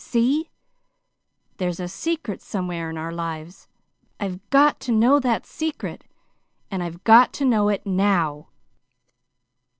See? There's a secret somewhere in our lives. I've got to know that secret, and I've got to know it now."